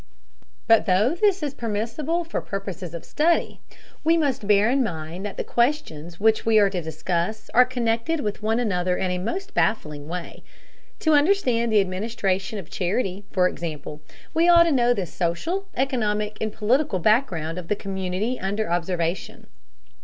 But though this is permissible for purposes of study, we must bear in mind that the questions which we are to discuss are connected with one another in a most baffling way. To understand the administration of charity, for example, we ought to know the social, economic, and political background of the community under observation.